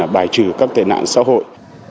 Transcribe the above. bài trừ các tệ nạn xã hội